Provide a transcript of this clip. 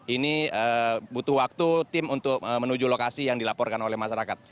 ini butuh waktu tim untuk menuju lokasi yang dilaporkan oleh masyarakat